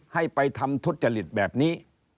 ให้ไปทำทุจริตแบบนี้